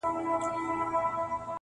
د علاج پیسې مي راکړه رخصتېږم -